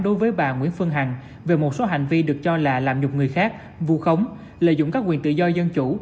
đối với bà nguyễn phương hằng về một số hành vi được cho là làm nhục người khác vù khống lợi dụng các quyền tự do dân chủ